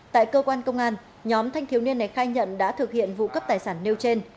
tại cơ quan công an nhóm thanh thiếu niên này khai nhận đã thực hiện vụ cướp tài sản nêu trên